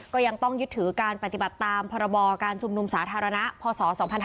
ก็ยังต้องยึดถือการปฏิบัติตามพรบการชุมนุมสาธารณะพศ๒๕๕๙